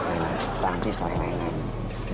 เตรียมค่ารักษาพยาบาลไว้ได้เลย